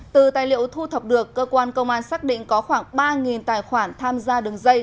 từ tài liệu thu thập được cơ quan công an xác định có khoảng ba tài khoản tham gia đường dây